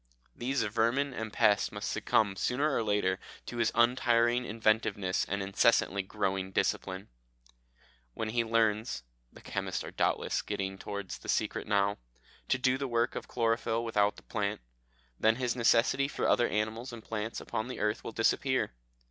These vermin and pests must succumb sooner or later to his untiring inventiveness and incessantly growing discipline. When he learns (the chemists are doubtless getting towards the secret now) to do the work of chlorophyll without the plant, then his necessity for other animals and plants upon the earth will disappear.